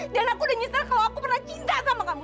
dan aku udah nyesel kalau aku pernah cinta sama kamu